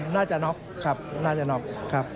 น่าจะน็อกครับ